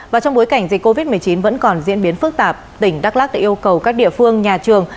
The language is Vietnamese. và trong bối cảnh dịch covid một mươi chín vẫn còn diễn biến phức tạp tỉnh đắk lắc đã yêu cầu các địa phương nhà trường